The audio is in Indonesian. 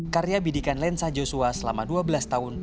karya bidikan lensa joshua selama dua belas tahun